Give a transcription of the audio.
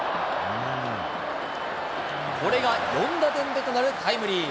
これが４打点目となるタイムリー。